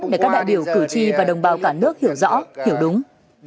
để các đại biểu cử tri và đồng bào cả nước hiểu rõ hiểu đúng